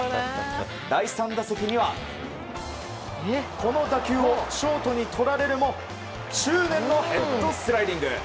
第３打席にはこの打球をショートにとられるも執念のヘッドスライディング。